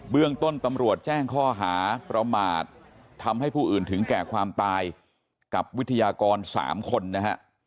เรื่องต้นตำรวจแจ้งข้อหาประมาททำให้ผู้อื่นถึงแก่ความตายกับวิทยากร๓คนนะฮะ